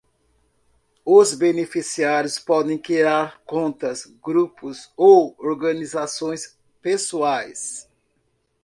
Os beneficiários podem criar contas, grupos ou organizações pessoais.